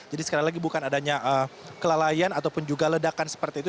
jadi sekali lagi bukan adanya kelalaian ataupun juga ledakan seperti itu